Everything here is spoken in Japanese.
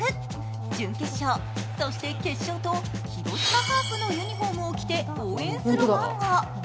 準決勝、そして決勝と広島カープのユニフォームを着て応援するファンが。